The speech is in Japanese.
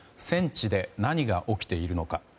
戦地で何が起きているのか。